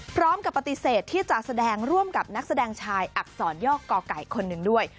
พร้อมกับปฏิเสธที่จะแสดงร่วมกับนักแสดงชายอักษรย่อก่อไก่คนหนึ่งด้วย